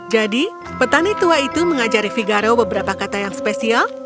jadi petani tua itu mengajari figaro beberapa kata yang spesial